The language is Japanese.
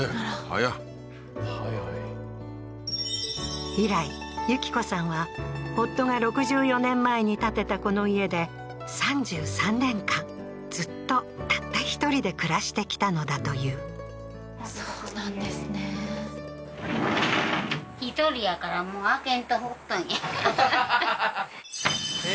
早っ早い以来順子さんは夫が６４年前に建てたこの家で３３年間ずっとたった１人で暮らしてきたのだというそうなんですねははは